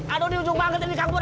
aduh di ujung bangkit ini kang pur